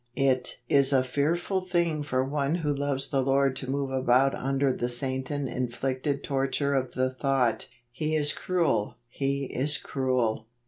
It is a fearful thing for one who loves the Lord to move about under the Satan inflicted torture of the thought: u He is cruel: He is cruel!